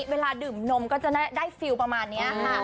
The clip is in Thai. เวลาดื่มนมก็จะได้ฟิลประมาณนี้ค่ะ